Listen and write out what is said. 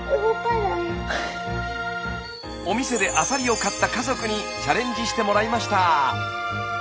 お店でアサリを買った家族にチャレンジしてもらいました。